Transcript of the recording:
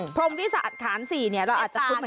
พรมวิสัตว์ข้าง๔เราอาจจะคุ้นเหมือนกัน